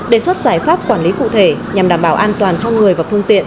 đề xuất giải pháp quản lý cụ thể nhằm đảm bảo an toàn cho người và phương tiện